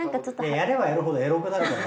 やればやるほどエロくなるから。